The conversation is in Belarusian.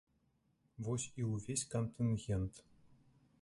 Вось і ўвесь кантынгент.